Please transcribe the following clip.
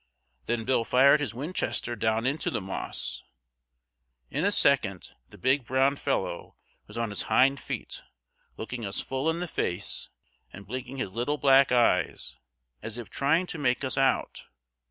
Then Bill fired his Winchester down into the moss. In a second the big brown fellow was on his hind feet looking us full in the face and blinking his little black eyes as if trying to make us out.